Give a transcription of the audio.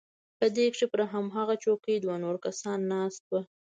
په دې کښې پر هماغه چوکۍ دوه نور کسان ناست وو.